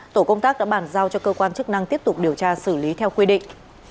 tổ công tác đã bàn giao cho cơ quan chức năng tiếp tục điều tra xử lý theo quy định